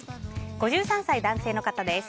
５３歳、男性の方です。